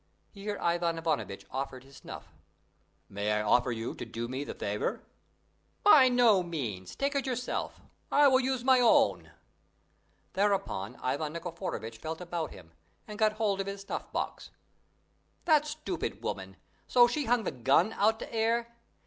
Here Ivan Ivanovitch offered his snuff. "May I ask you to do me the favour?" "By no means! take it yourself; I will use my own." Thereupon Ivan Nikiforovitch felt about him, and got hold of his snuff box. "That stupid woman! So she hung the gun out to air.